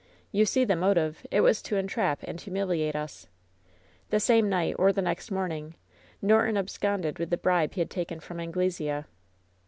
You see the motive! It was to entrap and humiliate us. The same night, or the next morning, Norton ab sconded with the bribe he had taken from Anglesea."